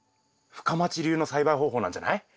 深町流の栽培方法なんじゃない？